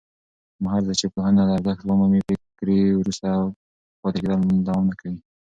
هرځل چې پوهنه ارزښت ومومي، فکري وروسته پاتې کېدل نه دوام کوي.